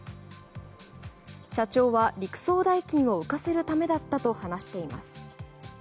社長は陸送代金を浮かせるためだったと話しています。